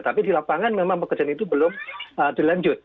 tapi di lapangan memang pekerjaan itu belum dilanjut